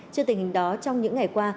trên tình hình đó trong những ngày qua